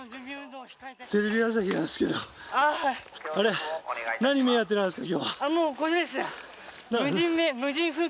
テレビ朝日なんですけどこれ、何目当てなんですか？